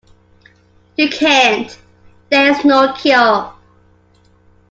You can't; there is no cure.